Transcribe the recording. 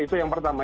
itu yang pertama